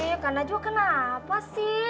eh kak najwa kenapa sih